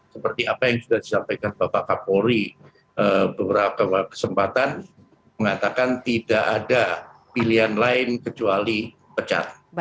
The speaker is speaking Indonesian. seperti apa yang sudah disampaikan bapak kapolri beberapa kesempatan mengatakan tidak ada pilihan lain kecuali pecat